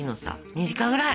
２時間ぐらい！